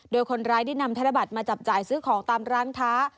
โดยคนร้ายได้นำธนบัตรมาจับจ่ายซื้อของตามร้านค้า